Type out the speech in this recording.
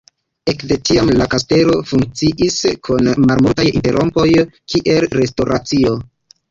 Ekde tiam la kastelo funkciis, kun malmultaj interrompoj, kiel restoracio.